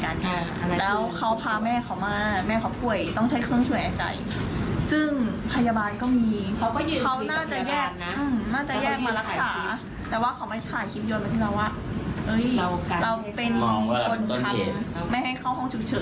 คุณพาคนเจ็บอ้อมไปทำ